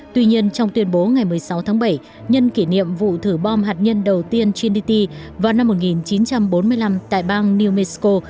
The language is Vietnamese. tuy nhiên trong tuyên bố ngày một mươi sáu tháng bảy nhân kỷ niệm vụ thử bom hạt nhân đầu tiên trinity vào năm một nghìn chín trăm bốn mươi năm tại bang new mexico